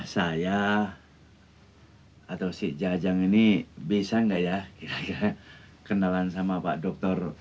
saya atau si jajang ini bisa enggak ya kira kira kenalan sama pak dokter